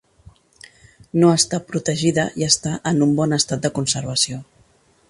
No està protegida i està en un bon estat de conservació.